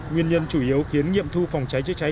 nguyên nhân chủ yếu khiến nghiệm thu phòng cháy chữa cháy